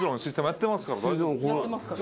やってますから。